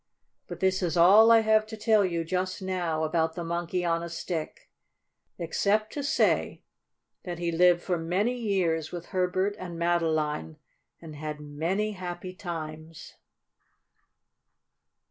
But this is all I have to tell you just now about the Monkey on a Stick, except to say that he lived for many years with Herbert and Madeline, and had many happy times.